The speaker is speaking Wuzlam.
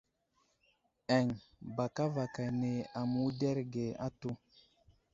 Eŋ ba kava ane aməwuderge atu.